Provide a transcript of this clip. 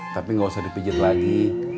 tapi gak usah dipijet lagi